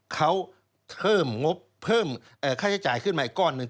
เขาเพิ่มงบเพิ่มค่าใช้จ่ายขึ้นมาอีกก้อนหนึ่ง